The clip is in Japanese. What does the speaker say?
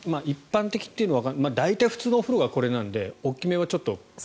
一般的っていうのはわかりませんが大体普通のお風呂がこれなので大き目はちょっと。